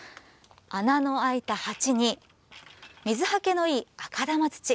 穴の開いた鉢に、水はけのいい赤玉土。